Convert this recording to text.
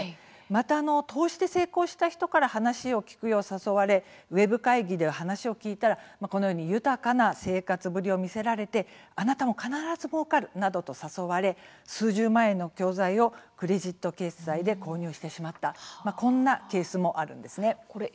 また、投資で成功した人から話を聞くよう誘われウェブ会議で話を聞いたらこのように豊かな生活ぶりを見せられてあなたも必ずもうかるなどと誘われ、数十万円の教材をクレジット決済で購入してしまったこんなケースもあるんですね。